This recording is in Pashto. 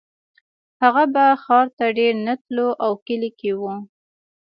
هغه به ښار ته ډېر نه تلو او کلي کې و